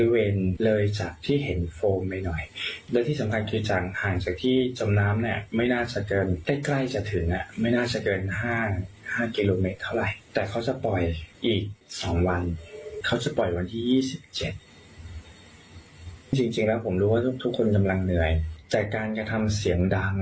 โวยวายไม่ให้เกียรติสถานที่